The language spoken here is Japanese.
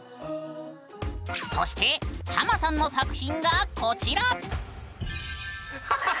そしてハマさんの作品がこちら！